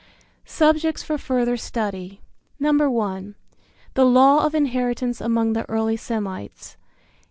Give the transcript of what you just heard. Subjects for Further Study. (1) The Law of Inheritance among the Early Semites.